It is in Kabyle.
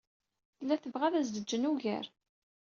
Tella tebɣa ad as-d-jjen ugar.